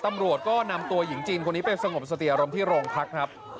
ตำรวจก็นำตัวหญิงจีนคนนี้ไปสงบสติอารมณ์ที่โรงพักครับ